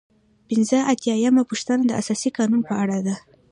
پنځه اتیا یمه پوښتنه د اساسي قانون په اړه ده.